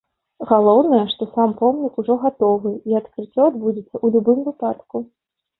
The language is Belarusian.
Галоўнае, што сам помнік ужо гатовы, і адкрыццё адбудзецца ў любым выпадку.